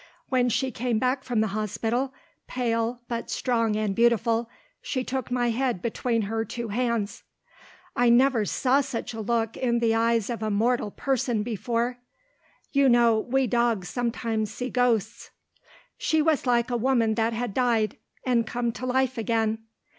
When she came back from the hospital, pale, but strong and beautiful, she took my head between her two hands. I never saw such a look in the eyes of a mortal person before. (You know we dogs sometimes see ghosts.) She was like a woman that had died, and come to life again.